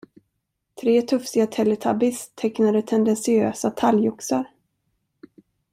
Tre tufsiga teletubbies tecknade tendentiösa talgoxar.